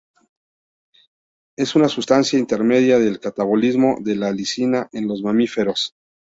Es una sustancia intermedia del catabolismo de la lisina en los mamíferos.